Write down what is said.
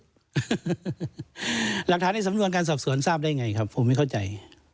หลักฐานในสำนวนการสอบสวนทราบได้ไงครับผมไม่เข้าใจ